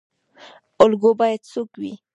الګو باید څوک وي؟